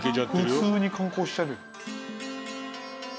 普通に観光してる。